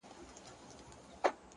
د نظم ځواک ګډوډي کموي,